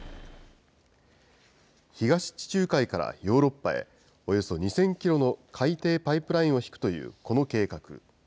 東地中海からヨーロッパへ、およそ２０００キロの海底パイプラインを引くというこの計画。